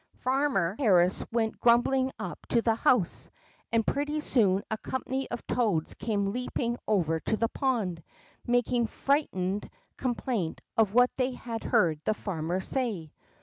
F armer Harris went grumbling up to the house, and pretty soon a company of toads came leaping over to the pond, making frightened complaint of what they had heard the farmer say.